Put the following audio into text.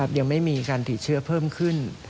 ยังไม่มีการติดเชื้อเพิ่มขึ้น